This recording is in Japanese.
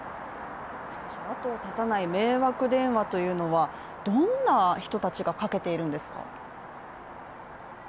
後を絶たない迷惑電話というのはどんな人たちがかけているんですか？